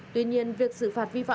tuy nhiên việc xử phạt vi phạm